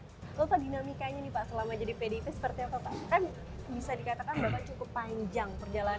loh pak dinamikanya nih pak selama jadi pdip seperti apa pak